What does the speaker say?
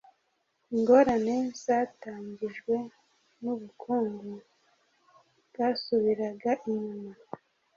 Ingorane zatangijwe n ubukungu bwasubiraga inyuma